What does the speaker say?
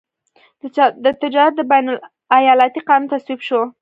د تجارت د بین الایالتي قانون تصویب شو.